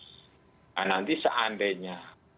nah nanti seandainya